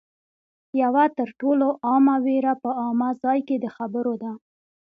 یوه تر ټولو عامه وېره په عامه ځای کې د خبرو ده